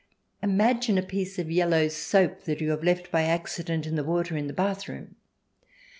. Imagine a piece of yellow soap that you have left by accident in the water in the bath room